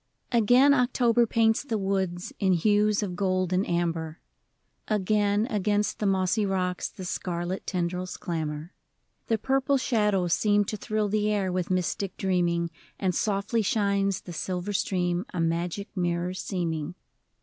I. GAIN October paints the woods In hues of gold and amber ; Again, against the mossy rocks, The scarlet tendrils clamber ; The purple shadows seem to thrill The air with mystic dreaming, And softly shines the silver stream, A magic mirror seeming.